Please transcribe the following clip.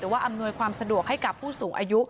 ว่าอำนวยความสะดวกให้กับผู้สูงอายุ